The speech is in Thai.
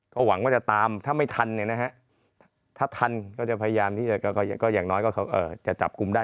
ก็หวังว่าจะตามถ้าไม่ทันเนี่ยนะฮะถ้าทันก็จะพยายามที่จะอย่างน้อยก็จะจับกลุ่มได้